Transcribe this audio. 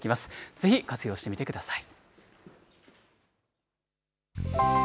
ぜひ活用してみてください。